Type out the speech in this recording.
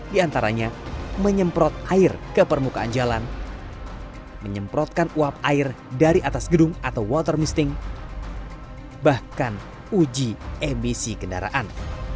di antaranya menyemprot air ke permukaan jalan menyemprotkan uap air dari atas gedung atau water misting bahkan uji emisi kendaraan